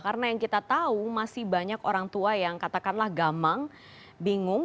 karena yang kita tahu masih banyak orang tua yang katakanlah gamang bingung